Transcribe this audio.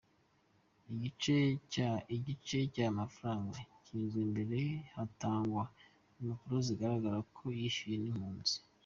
Igice cy’aya mafaranga cyishyuwe mbere hatangwa impapuro zigaragaza ko yishyuwe n’impamvu.